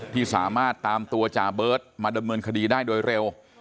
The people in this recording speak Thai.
ที่สามารถตามตัวจ่าเบิร์ตมาดำเนินคดีได้โดยเร็ว